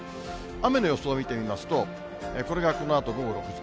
雨の予想を見てみますと、これがこのあと午後６時。